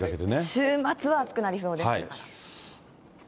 週末は暑くなりそうです。